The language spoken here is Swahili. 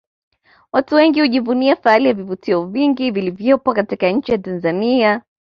Watu wengi hujivunia fahari ya vivutio vingi vilivyopo katika nchi ya Tanzania